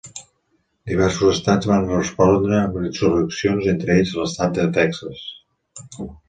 Diversos estats van respondre amb insurreccions, entre ells, l'estat de Texas.